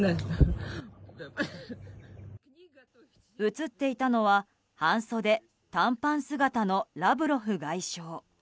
映っていたのは半袖短パン姿のラブロフ外相。